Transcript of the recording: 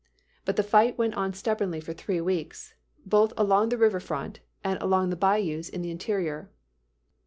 But the fight went on stubbornly for three weeks, both along the river front and along the bayous in the interior.